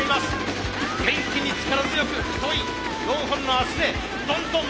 元気に力強く太い４本の脚でどんどん前に進む！